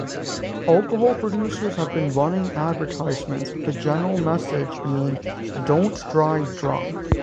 Alcohol producers have been running advertisements with the general message being "don't drive drunk".